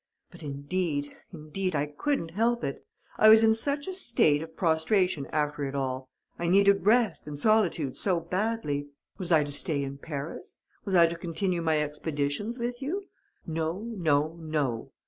But indeed, indeed I couldn't help it! I was in such a state of prostration after it all! I needed rest and solitude so badly! Was I to stay in Paris? Was I to continue my expeditions with you? No, no, no!